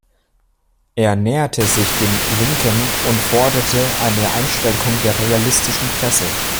Er näherte sich den "„Linken“" und forderte eine Einschränkung der royalistischen Presse.